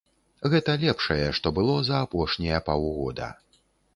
Гэта лепшае, што было за апошнія паўгода.